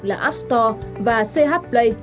là app store và ch play